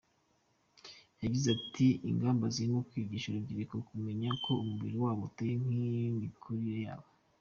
Yagize ati “Ingamba zirimo kwigisha urubyiruko kumenya uko umubiri wabo uteye n’imikurire yabo.